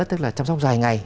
tức là chăm sóc dài ngày